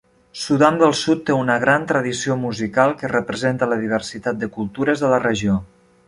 Sudan del Sud té una gran tradició musical, que representa la diversitat de cultures de la regió.